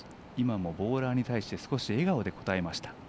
ボーラーに対して笑顔で応えました。